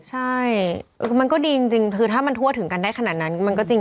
ใช่มันก็ดีจริงคือถ้ามันทั่วถึงกันได้ขนาดนั้นมันก็จริง